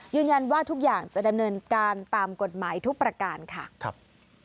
ยืนยันว่าทุกอย่างจะดำเนินการตามกฎหมายทุกประการค่ะครับ